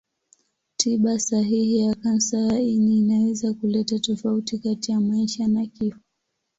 Tiba sahihi ya kansa ya ini inaweza kuleta tofauti kati ya maisha na kifo.